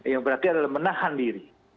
yang berarti adalah menahan diri